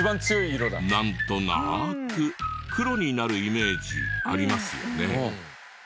なんとなく黒になるイメージありますよね？